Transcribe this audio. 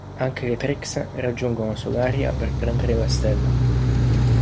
Anche le Trix raggiungono Solaria per prendere la stella.